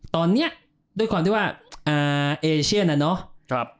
ตอนนี้ด้วยความที่ว่าเอเชียนน่ะเนาะ